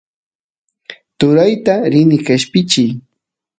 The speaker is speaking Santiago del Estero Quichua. turayta rini qeshpichiy